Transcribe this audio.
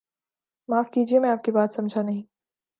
معاف کیجئے میں آپ کی بات سمجھانہیں